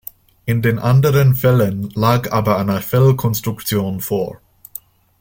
In den anderen Fällen lag aber eine Fehlkonstruktion vor.